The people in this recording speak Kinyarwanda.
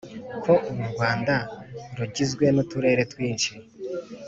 ko uru rwanda rugizwe n'uturere twinshi,